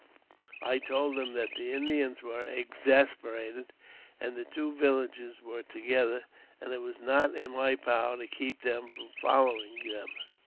I told him that the Indians were ex asperated, and the two villages were together, and it was not in my power to keep them from following them.